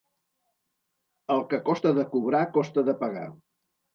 El que costa de cobrar, costa de pagar.